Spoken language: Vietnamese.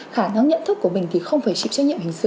khả năng nhận thức của mình thì không phải chịu trách nhiệm hình sự